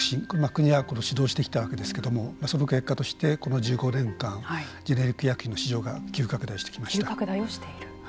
国が主導してきたんですけれどもその結果としてこの１５年間ジェネリック医薬品の市場が急拡大してきました。